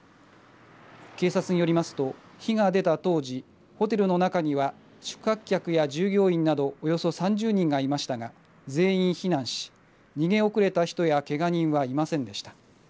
警察によりますと、火が出た当時ホテルの中には宿泊客や従業員などおよそ３０人がいましたが全員避難し逃げ遅れた人やけが人はいませんでした。